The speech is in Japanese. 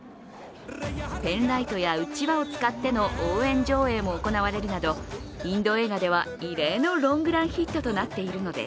ペンライトやうちわを使っての応援上映も行われるなどインド映画では異例のロングランヒットとなっているのです。